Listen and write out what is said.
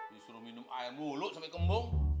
disuruh minum air melolok sampe kembung